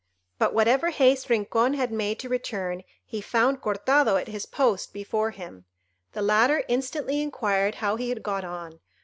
But whatever haste Rincon had made to return, he found Cortado at his post before him. The latter instantly inquired how he had got on.